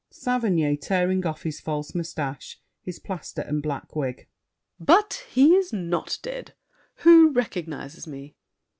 SAVERNY (tearing off his false mustache, his plaster, and black wig). But he is not dead! Who recognizes me?